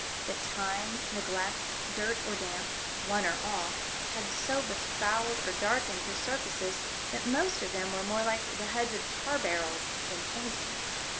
But time, neglect, dirt or damp — one or all — had so befouled or darkened the surfaces that most of them were more like the heads of tar barrels than paint ings.